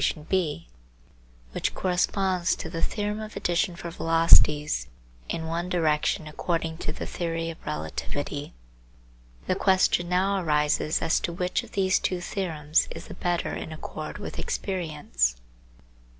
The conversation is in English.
gif which corresponds to the theorem of addition for velocities in one direction according to the theory of relativity. The question now arises as to which of these two theorems is the better in accord with experience.